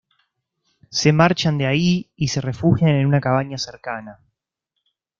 Se marchan de ahí y se refugian en una cabaña cercana.